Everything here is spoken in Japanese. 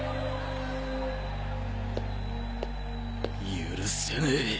許せねえ。